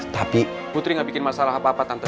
tapi putri gak bikin masalah apa apa tante